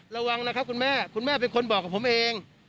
ระวังนะครับคุณแม่คุณแม่เป็นคนบอกกับผมเอง